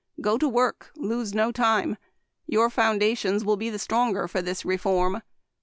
Go to work. Lose no time. Your foundations > will be the stronger for this reform.